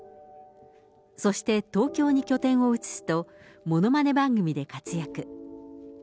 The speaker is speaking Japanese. そして東京に拠点を移すと、ものまね番組で活躍。